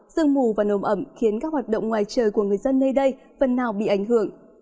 sương mù và nồm ẩm khiến các hoạt động ngoài trời của người dân nơi đây phần nào bị ảnh hưởng